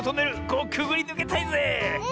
ここくぐりぬけたいぜえ！